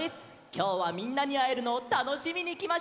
きょうはみんなにあえるのをたのしみにきました！